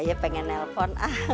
ayah pengen nelpon